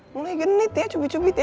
mulai genit ya cubit cubit ya